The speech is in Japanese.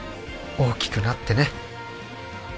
「大きくなってね」